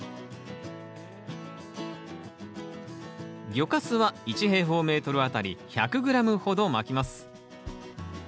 魚かすは１あたり１００ｇほどまきます。